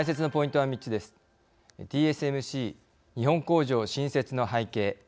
ＴＳＭＣ日本工場新設の背景。